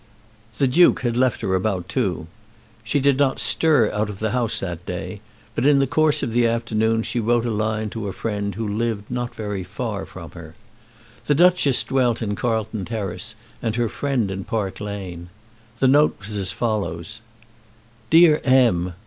The Duke had left her about two. She did not stir out of the house that day, but in the course of the afternoon she wrote a line to a friend who lived not very far from her. The Duchess dwelt in Carlton Terrace, and her friend in Park Lane. The note was as follows: DEAR M.